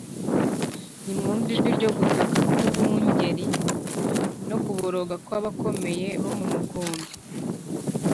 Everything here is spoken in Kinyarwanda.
Nimwumve ijwi ryo gutaka kw abungeri no kuboroga kw abakomeye bo mu mukumbi